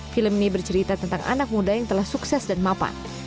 film ini bercerita tentang anak muda yang telah sukses dan mapan